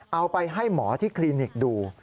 เอาไปให้หมอที่คลินิกดู